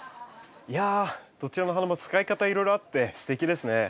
いやどちらの花も使い方いろいろあってすてきですね。